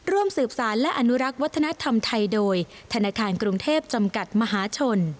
ร่วมสืบสารและอนุรักษ์วัฒนธรรมไทยโดยธนาคารกรุงเทพจำกัดมหาชน